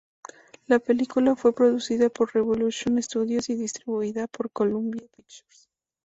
La película fue producida por Revolution Studios y distribuida por Columbia Pictures.